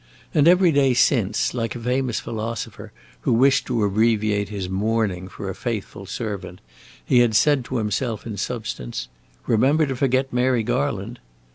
And every day since, like a famous philosopher who wished to abbreviate his mourning for a faithful servant, he had said to himself in substance "Remember to forget Mary Garland."